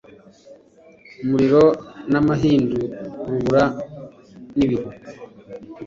muriro n’amahindu rubura n’ibihu